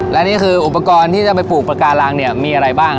และนี่คืออุปกรณ์ที่จะไปปลูกปากการังเนี่ยมีอะไรบ้าง